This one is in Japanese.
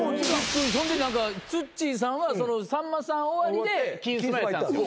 そんで何かツッチーさんはさんまさん終わりで『金スマ』やったんすよ。